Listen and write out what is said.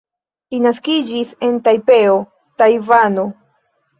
Li naskiĝis en Tajpeo, Tajvano.